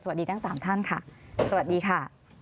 สวัสดีทั้งสามท่านค่ะสวัสดีค่ะ